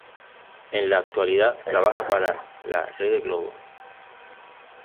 En la actualidad, trabaja para la Rede Globo.